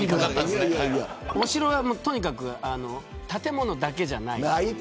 お城はとにかく建物だけじゃない。